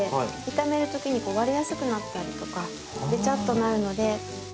炒める時にこう割れやすくなったりとかベチャッとなるので。